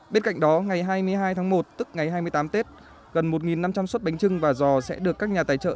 bên cạnh đó ngày hai mươi hai tháng một tức ngày hai mươi tám tết gần một năm trăm linh suất bánh trưng và giò sẽ được các nhà tài trợ